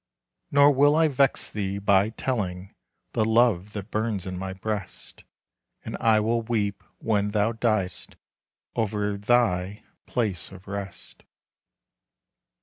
"Nor will I vex thee by telling The love that burns in my breast; And I will weep when thou diest Over thy place of rest."